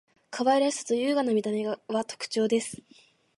可愛らしさと優雅な見た目は特徴的です．